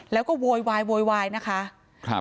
แล้วก็โวยวายนะคะ